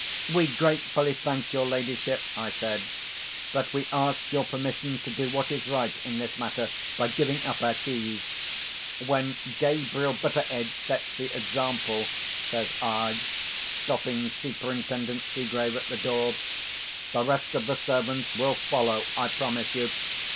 "We gratefully thank your ladyship," I said; "but we ask your permission to do what is right in this matter by giving up our keys. When Gabriel Betteredge sets the example," says I, stopping Superintendent Seegrave at the door, "the rest of the servants will follow, I promise you.